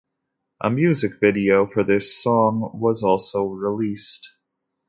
A music video for this song was also released.